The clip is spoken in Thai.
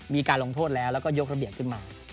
มีการลงโทษแล้วแล้วก็ยกระเบียบขึ้นมา